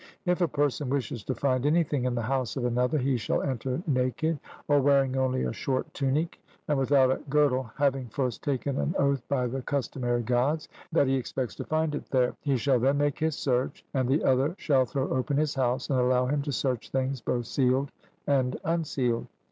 If a person wishes to find anything in the house of another, he shall enter naked, or wearing only a short tunic and without a girdle, having first taken an oath by the customary Gods that he expects to find it there; he shall then make his search, and the other shall throw open his house and allow him to search things both sealed and unsealed.